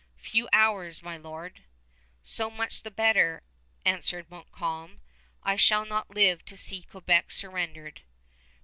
"Few hours, my lord." "So much the better," answered Montcalm. "I shall not live to see Quebec surrendered."